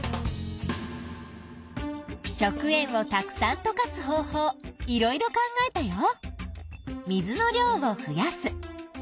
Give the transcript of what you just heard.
食塩をたくさんとかす方法いろいろ考えたよ。